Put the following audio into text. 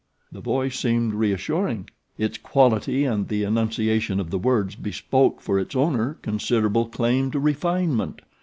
The voice seemed reassuring its quality and the annunciation of the words bespoke for its owner considerable claim to refinement.